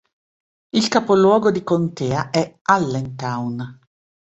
Il capoluogo di contea è Allentown.